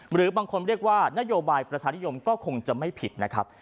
หรือบางคนเรียกว่านโยบายประชานิยมก็คงจะไม่ผิดนะครับ